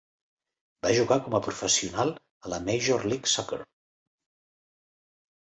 Va jugar com a professional a la Major League Soccer.